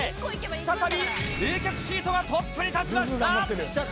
再び、冷却シートがトップに立ちました。